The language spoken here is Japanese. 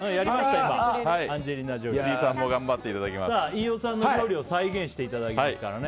飯尾さんの料理を再現していただきますからね。